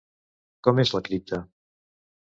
Com és la cripta?